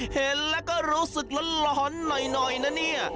เห็นแล้วก็รู้สึกร้อนหน่อยนะเนี่ย